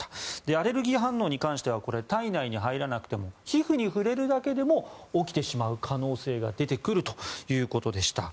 アレルギー反応に関しては体内に入らなくても皮膚に触れるだけでも起きてしまう可能性が出てくるということでした。